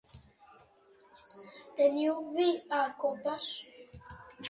teniu vi a copes?